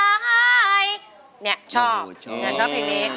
เนี่ยชอบเคยชอบเพลงนี้อ๋อชอบอืม